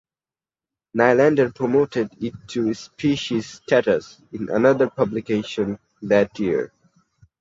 Nylander promoted it to species status in another publication that year.